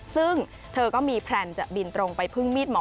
ซึ่งเธอก็มีแพลนจะบินตรงไปพึ่งมีดหมอ